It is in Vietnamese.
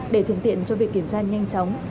để thường tiện cho việc kiểm tra nhanh chóng